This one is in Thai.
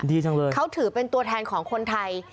ดีจังเลยเขาถือเป็นตัวแทนของคนไทย